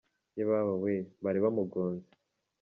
Yebabawe! Bari bamugonze!